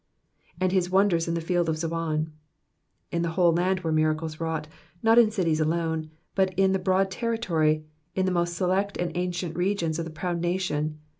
^'^And his uoiiders in the Jidd of Zonn.'''' In the whole land were miracles wrought, not in cities alone, but in the broad territory, in the most select and tncient regions of the proud nation.